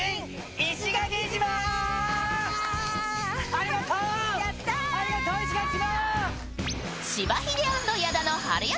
ありがとう、石垣島！